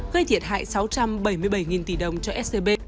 gây thiệt hại sáu trăm bảy mươi bảy tỷ đồng cho scb